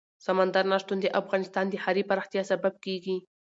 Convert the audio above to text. سمندر نه شتون د افغانستان د ښاري پراختیا سبب کېږي.